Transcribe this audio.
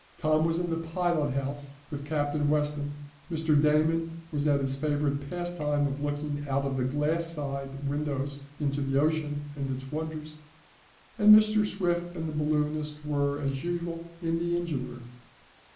Tom was in the pilot house with Captain Weston, Mr. Damon was at his favorite pastime of looking out of the glass side windows into the ocean and its wonders, and Mr. Swift and the balloonist were, as usual, in the engine room.